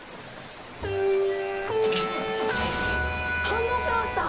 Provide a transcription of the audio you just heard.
反応しました！